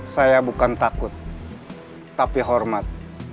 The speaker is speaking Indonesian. saya bukan takut tapi hormat